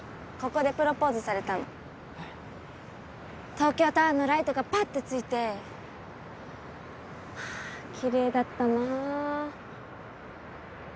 東京タワーのライトがぱってついてあ奇麗だったな。